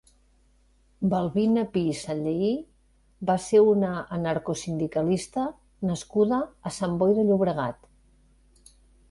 Balbina Pi i Sanllehy va ser una anarcosindicalista nascuda a Sant Boi de Llobregat.